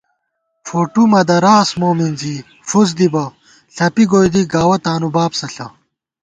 فوٹو مہ دراس مو مِنزی ، فُس دِبہ ، ݪَپی گوئےدی ، گاوَہ تانُو بابسہ ݪہ